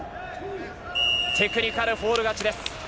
テクニカルフォール勝ちです。